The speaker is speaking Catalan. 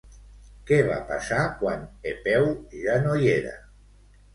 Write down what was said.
Què va passar quan Epeu ja no hi era?